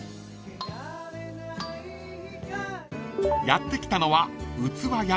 ［やって来たのは］